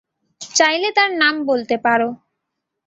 চাইলে তার নাম বলতে পারো।